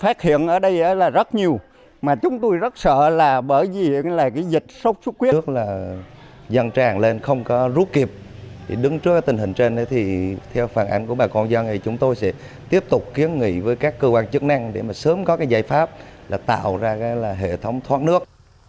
trước là dân tràn lên không có rút kịp đứng trước tình hình trên thì theo phản ánh của bà con dân thì chúng tôi sẽ tiếp tục kiến nghị với các cơ quan chức năng để sớm có giải pháp tạo ra hệ thống thoát nước